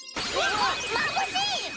ままぶしい！